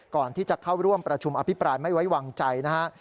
ก่อนที่จะเข้าร่วมประชุมอภิปรายไม่ไว้วางใจนะฮะ